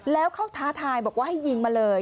แล้วเขาท้าทายบอกว่าให้ยิงมาเลย